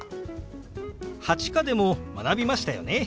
８課でも学びましたよね。